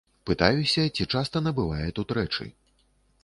Пытаюся, ці часта набывае тут рэчы.